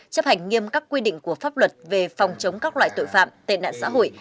chấp hành nghiêm các quy định của pháp luật về phòng chống các loại tội phạm tệ nạn xã hội